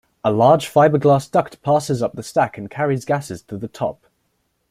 A large fiberglass duct passes up the stack and carries gases to the top.